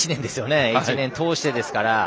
１年を通してですから。